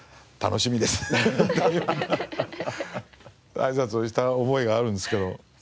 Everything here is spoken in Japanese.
あいさつをした覚えがあるんですけど。